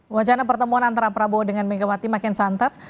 wacana pertemuan antara prabowo dengan megawati makin santer